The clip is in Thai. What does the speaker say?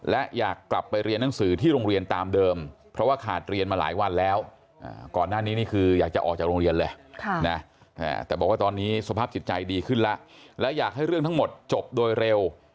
และอยากกลับไปเรียนหนังสือที่โรงเรียนตามเดิมเพราะว่าขาดเรียนมาหลายวันแล้ว